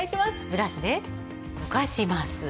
ブラシでとかします。